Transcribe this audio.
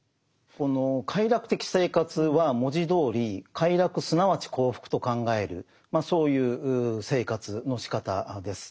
この快楽的生活は文字どおり快楽すなわち幸福と考えるそういう生活のしかたです。